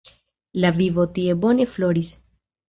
La vivo tie bone floris.